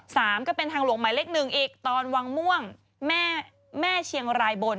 ก็เป็นทางหลวงหมายเลขหนึ่งอีกตอนวังม่วงแม่แม่เชียงรายบน